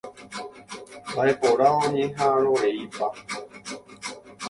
Mbaʼeporã oñehaʼãrõreipa.